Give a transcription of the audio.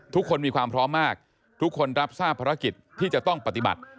ทุกคนมีความพร้อมมากทุกคนรับทราบภารกิจที่จะต้องปฏิบัติ